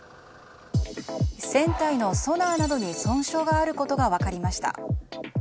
船体のソナーなどに損傷があることが分かりました。